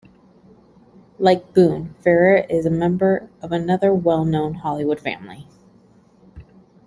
Like Boone, Ferrer is a member of another well-known Hollywood family.